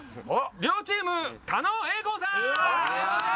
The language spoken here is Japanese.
亮チーム狩野英孝さん。